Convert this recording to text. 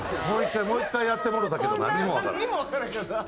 もう１回もう１回やってもろたけど何もわからん。